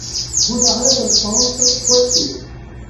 Boulevard Anatole-France, Poitiers